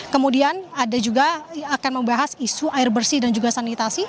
kemudian ada juga akan membahas isu air bersih dan juga sanitasi